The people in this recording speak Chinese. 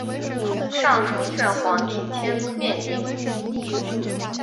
上书劝皇帝迁都汴京。